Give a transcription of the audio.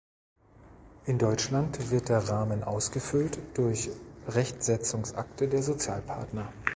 In Deutschland wird der Rahmen ausgefüllt durch Rechtsetzungsakte der Sozialpartner.